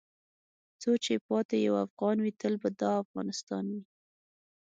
څو چې پاتې یو افغان وې تل به دا افغانستان وې .